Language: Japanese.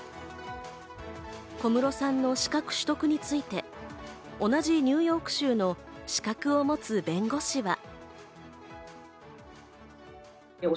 小室さんの資格取得について、同じニューヨーク州の資格を持つ弁護士は。